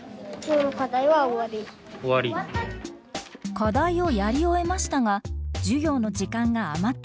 課題をやり終えましたが授業の時間が余っていました。